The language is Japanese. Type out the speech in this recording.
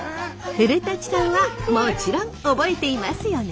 古さんはもちろん覚えていますよね？